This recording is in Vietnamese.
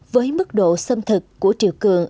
với mức độ xâm thực của triều cường